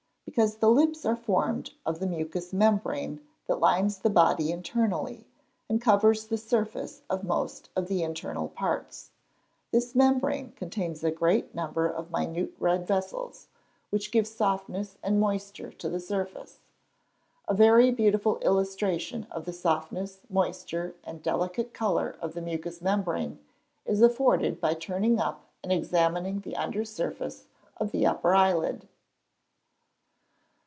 _ Because the lips are formed of the mucous membrane that lines the body internally, and covers the surface of most of the internal parts. This membrane contains a great number of minute red vessels, which give softness and moisture to the surface. A very beautiful illustration of the softness, moisture, and delicate colour of the mucous membrane is afforded by turning up and examining the under surface of the upper eyelid.